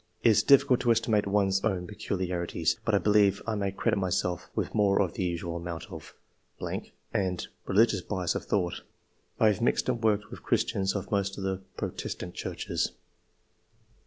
It is diffi cult to estimate one s own peculiarities, but I be lieve I may credit myself with more than the usual amount of (... and) religious bias of thought. I have mixed and worked with Christians of most of the Protestant Churches."